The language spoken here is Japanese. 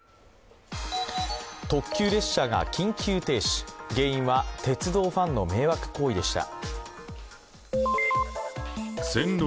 特急列車が緊急停止原因は鉄道ファンの迷惑行為でした。